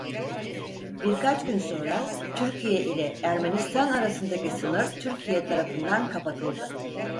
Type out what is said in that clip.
Birkaç gün sonra Türkiye ile Ermenistan arasındaki sınır Türkiye tarafından kapatıldı.